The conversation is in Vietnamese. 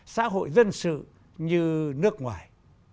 xã hội dân sự như nước ngoài